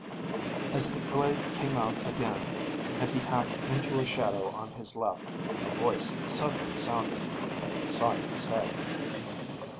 As the blade came out again and he hacked into a shadow on his left, a voice suddenly sounded, but inside his head.